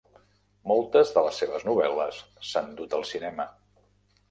Moltes de les seves novel·les s'han dut al cinema.